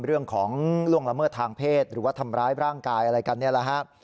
ล่วงละเมิดทางเพศหรือว่าทำร้ายร่างกายอะไรกันนี่แหละครับ